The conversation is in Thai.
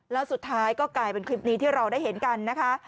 แล้วสุดท้ายก็กลายเป็นคลิปนี้ที่เราได้เห็นกันนะคะ